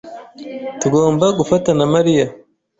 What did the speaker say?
Tugomba gufata na Mariya.